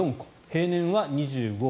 平年は２５．１個。